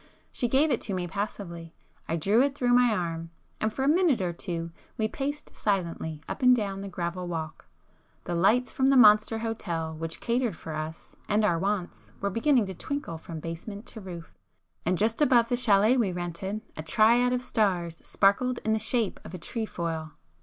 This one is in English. She gave it to me passively,—I drew it through my arm, and for a minute or two we paced silently up and down the gravel walk. The lights from the monster hotel which catered for us and our wants, were beginning to twinkle from basement to roof,—and just above the châlet we rented, a triad of stars sparkled in the shape of a trefoil.